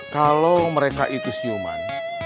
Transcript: kalau mereka itu senyuman